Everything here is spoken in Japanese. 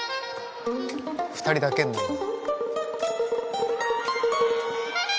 ２人だけになるの。